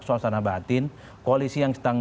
suasana batin koalisi yang sedang